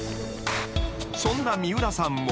［そんな三浦さんも］